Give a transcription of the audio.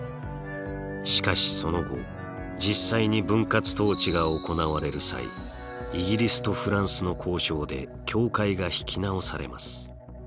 しかしその後実際に分割統治が行われる際イギリスとフランスの交渉で境界が引き直されます。